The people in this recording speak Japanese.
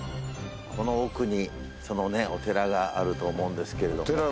この奥にそのねお寺があると思うんですけれども。